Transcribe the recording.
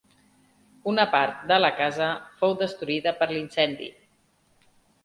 Una part de la casa fou destruïda per l'incendi.